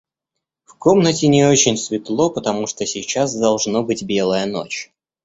В комнате не очень светло, потому что сейчас, должно быть, белая ночь.